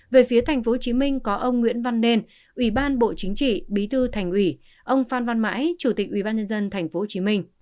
về phía tp hcm có ông nguyễn văn nên ủy ban bộ chính trị bí thư thành ủy ông phan văn mãi chủ tịch ủy ban nhân dân tp hcm